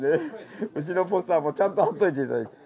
うちのポスターもちゃんと貼っといて頂いて。